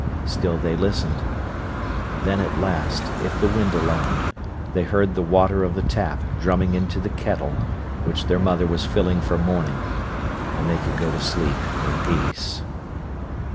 Still they listened. Then at last, if the wind allowed, they heard the water of the tap drumming into the kettle, which their mother was filling for morning, and they could go to sleep in peace.